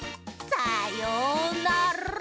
さようなら！